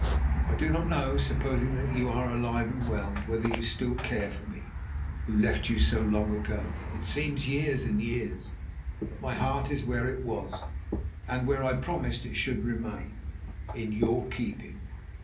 I do not know, supposing that you are alive and well, whether you still care for me, who left you so long ago—it seems years and years—but my heart is where it was, and where I promised it should remain, in your keeping.